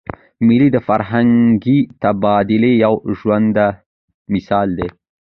مېلې د فرهنګي تبادلې یو ژوندى مثال دئ.